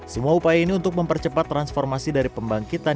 semua upaya ini untuk mempercepat transformasi dari pembangkitan